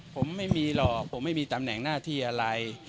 ผมไม่มีหรอกผมไม่มีตำแหน่งหน้าที่อะไร